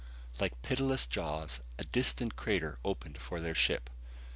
] Like pitiless jaws, a distant crater opened for their ship.